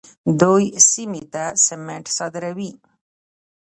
دوی سیمې ته سمنټ صادروي.